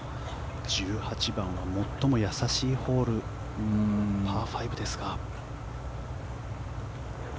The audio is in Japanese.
１８番は最も易しいホールパー５ですが。